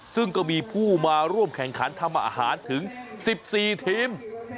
ซึ่งก็มีผู้มาร่วมแข่งขันทำอาหารถึง๑๔ทีม